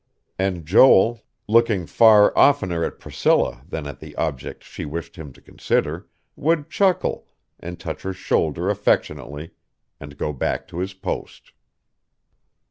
And Joel, looking far oftener at Priscilla than at the object she wished him to consider, would chuckle, and touch her shoulder affectionately, and go back to his post.